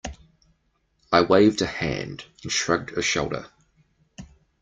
I waved a hand and shrugged a shoulder.